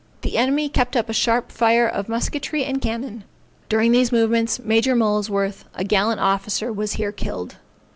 The enemy kept up a sharp fire of musketry and cannon; during these movements, Major Molesworth, a gallant officer was here killed.